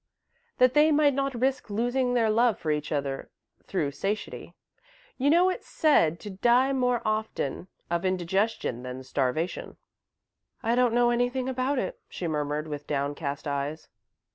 "That they might not risk losing their love for each other, through satiety. You know it's said to die more often of indigestion than starvation." "I don't know anything about it," she murmured with downcast eyes.